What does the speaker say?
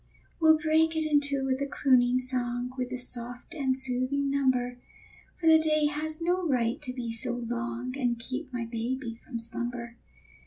We'll break it in two with a crooning song, With a soft and soothing number; For the day has no right to be so long And keep my baby from slumber.